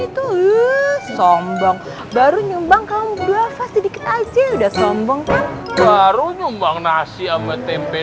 itu sombong baru nyumbang kamu berapa sedikit aja udah sombong baru nyumbang nasi sama tempe